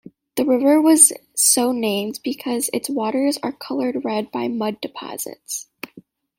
The river was so named because its waters are colored red by mud deposits.